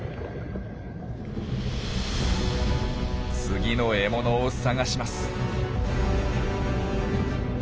次の獲物を探します。